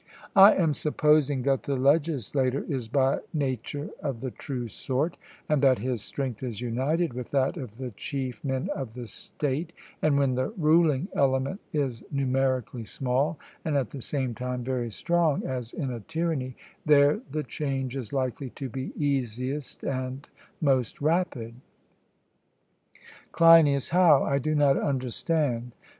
I am supposing that the legislator is by nature of the true sort, and that his strength is united with that of the chief men of the state; and when the ruling element is numerically small, and at the same time very strong, as in a tyranny, there the change is likely to be easiest and most rapid. CLEINIAS: How? I do not understand.